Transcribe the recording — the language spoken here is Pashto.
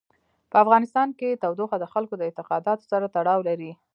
په افغانستان کې تودوخه د خلکو د اعتقاداتو سره تړاو لري.